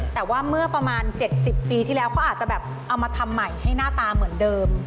แต่ว่าเมื่อประมาณ๗๐ปีที่แล้วเขาอาจจะแบบเอามาทำใหม่ให้หน้าตาเหมือนเดิม